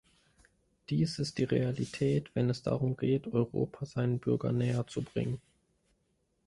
Dies ist die Realität, wenn es darum geht, Europa seinen Bürgern näher zu bringen.